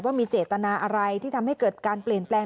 ว่ามีเจตนาอะไรที่ทำให้เกิดการเปลี่ยนแปลง